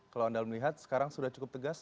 kalau anda melihat sekarang sudah cukup tegas